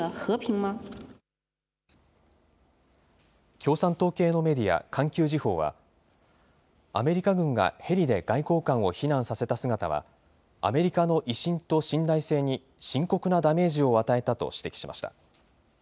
共産党系のメディア、環球時報は、アメリカ軍がヘリで外交官を避難させた姿は、アメリカの威信と信頼性に深刻なダメージを与えたと指摘しました。